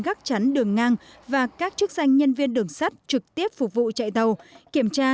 gác chắn đường ngang và các chức danh nhân viên đường sắt trực tiếp phục vụ chạy tàu kiểm tra